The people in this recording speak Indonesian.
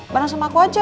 barang sama aku aja